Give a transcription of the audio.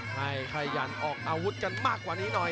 ขยันออกอาวุธกันมากกว่านี้หน่อย